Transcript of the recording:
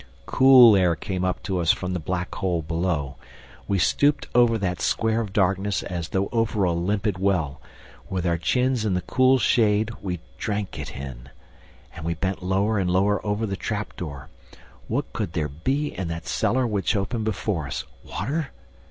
Cool air came up to us from the black hole below. We stooped over that square of darkness as though over a limpid well. With our chins in the cool shade, we drank it in. And we bent lower and lower over the trap door. What could there be in that cellar which opened before us? Water?